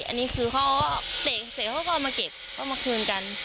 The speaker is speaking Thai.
อันนี้คือเขาเตะเสร็จเขาก็เอามาเก็บเขามาคืนกัน